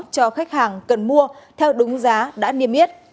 cho khách hàng cần mua theo đúng giá đã niêm yết